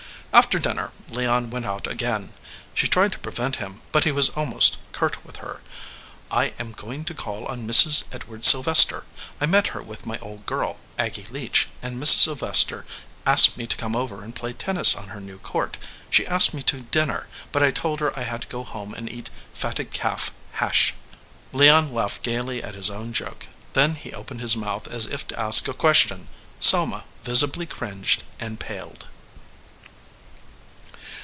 After dinner Leon went out again. She tried to prevent him, but he was almost curt with her: "I am going to call on Mrs. Edward Sylvester. I met her with my old girl, Aggy Leach, and Mrs. Sylvester asked me to come over and play tennis on her new court. She asked me to dinner, but I told her I had to go home and eat fatted calf hash." Leon laughed gaily at his own joke. Then he opened his mouth as if to ask a question. Selma visibly cringed, and paled.